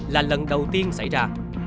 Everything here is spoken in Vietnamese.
là lần đầu tiên xảy ra